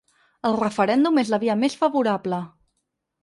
El referèndum és la via més favorable